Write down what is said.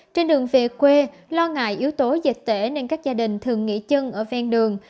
trên đường về quê lo ngại yếu tố dịch tễ nên các gia đình thường nghỉ chân ở ven đường